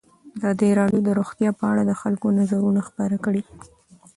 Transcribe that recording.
ازادي راډیو د روغتیا په اړه د خلکو نظرونه خپاره کړي.